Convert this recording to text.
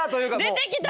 出てきた！